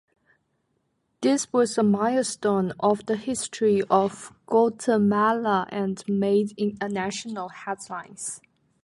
This was a milestone of the history of Guatemala and made national headlines.